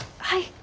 はい。